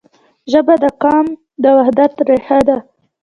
ژبه د قام د وحدت رښه ده.